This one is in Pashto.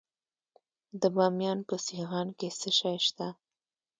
د بامیان په سیغان کې څه شی شته؟